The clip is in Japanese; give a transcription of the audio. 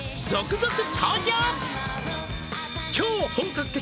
「超本格的！